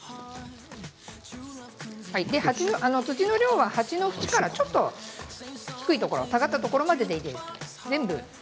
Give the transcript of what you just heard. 土の量は端の縁から少し低いところ下がったところまででいいです。